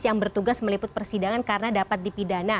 yang bertugas meliput persidangan karena dapat dipidana